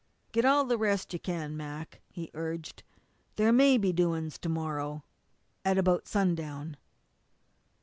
"Get all the rest you can, Mac," he urged. "There may be doings to morrow at about sundown."